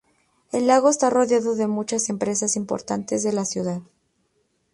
El lago está rodeado de muchas empresas importantes de la ciudad.